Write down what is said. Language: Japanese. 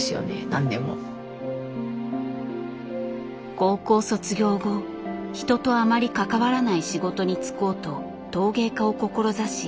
高校卒業後人とあまり関わらない仕事に就こうと陶芸家を志し